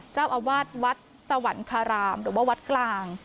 เจ้าอาวาสวัดสวรรคารามหรือว่าวัดกลาง